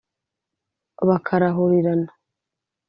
bakarahurirana